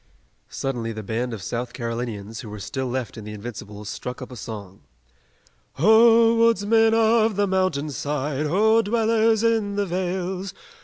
Suddenly the band of South Carolinians, who were still left in the Invincibles, struck up a song: "Ho, woodsmen of the mountain side! Ho, dwellers in the vales!